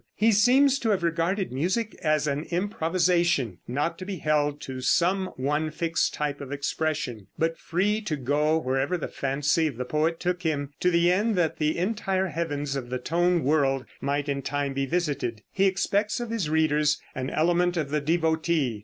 He seems to have regarded music as an improvisation, not to be held to some one fixed type of expression, but free to go wherever the fancy of the poet took him, to the end that the entire heavens of the tone world might in time be visited. He expects of his readers an element of the devotee.